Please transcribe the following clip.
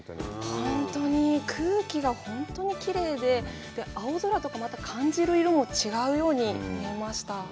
本当に空気がきれいで、青空とか、また感じる色も違うように見えました。